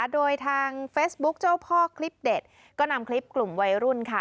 โดยทางเฟซบุ๊คเจ้าพ่อคลิปเด็ดก็นำคลิปกลุ่มวัยรุ่นค่ะ